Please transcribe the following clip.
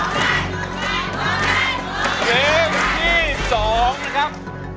เพลงที่๒นะครับ